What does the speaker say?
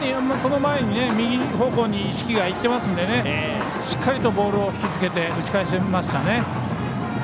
その前に右方向に意識がいってますのでしっかりとボールを引き付けて打ち返せましたね。